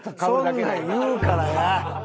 そんなん言うからやん！